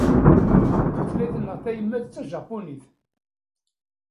Tutlayt-nneɣ tayemmat d tajapunit.